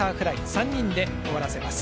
３人で終わらせます。